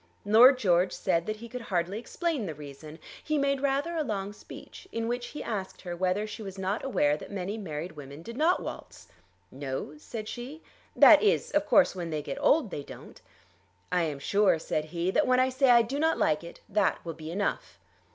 Lord George said that he could hardly explain the reason. He made rather a long speech, in which he asked her whether she was not aware that many married women did not waltz. "No," said she. "That is, of course, when they get old they don't." "I am sure," said he, "that when I say I do not like it, that will be enough."